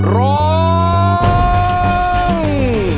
ร้อง